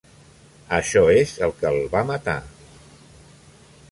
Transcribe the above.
Això és el que el va matar.